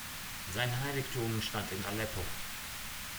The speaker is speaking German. Sein Heiligtum stand in Aleppo.